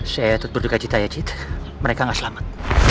saya tetap berduka cid aja cid mereka gak selamat